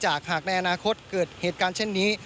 หากในอนาคตเกิดเหตุการณ์เช่นนี้